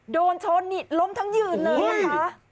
โดนชนนี่ล้มทั้งยืนเลยนะคะ